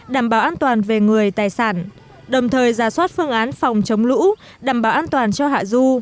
đảm bảo an toàn về người tài sản đồng thời ra soát phương án phòng chống lũ đảm bảo an toàn cho hạ du